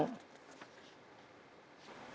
จากเรื่อง